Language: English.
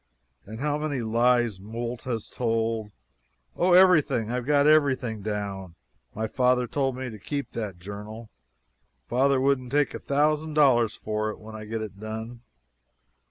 and how many lies Moult has told Oh, every thing! I've got everything down. My father told me to keep that journal. Father wouldn't take a thousand dollars for it when I get it done."